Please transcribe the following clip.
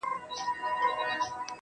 • زما د زما د يار راته خبري کوه.